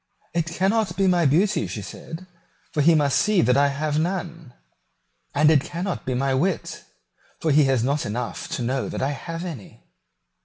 "It cannot be my beauty," she said; "for he must see that I have none; and it cannot be my wit, for he has not enough to know that I have any."